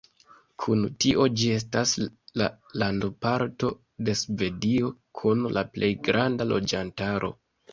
Kun tio, ĝi estas la landoparto de Svedio kun la plej granda loĝantaro.